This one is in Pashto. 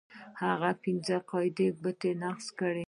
که هغه پنځه قاعدې نقض کړي.